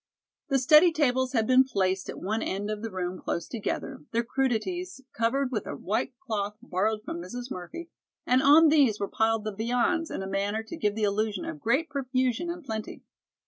The study tables had been placed at one end of the room close together, their crudities covered with a white cloth borrowed from Mrs. Murphy, and on these were piled the viands in a manner to give the illusion of great profusion and plenty.